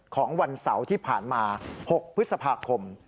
ของวันเสาร์ที่ผ่านมา๖พฤษภาคม